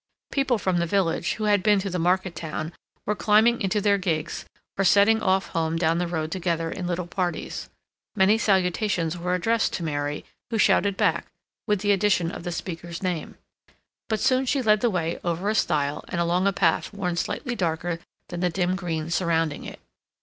People from the village, who had been to the market town, were climbing into their gigs, or setting off home down the road together in little parties. Many salutations were addressed to Mary, who shouted back, with the addition of the speaker's name. But soon she led the way over a stile, and along a path worn slightly darker than the dim green surrounding it.